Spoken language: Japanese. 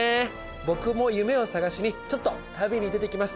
僕も夢を探しにちょっと旅に出てきます。